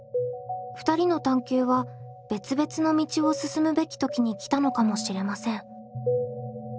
２人の探究は別々の道を進むべき時に来たのかもしれません。